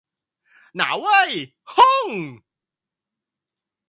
หนาวเว้ย โฮ่ง